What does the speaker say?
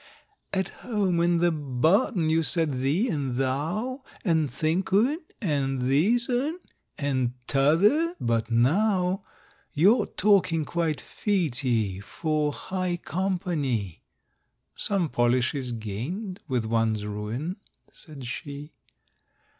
—"At home in the barton you said 'thee' and 'thou,' And 'thik oon,' and 'theäs oon,' and 't'other'; but now Your talking quite fits 'ee for high compa ny!"— "Some polish is gained with one's ruin," said she.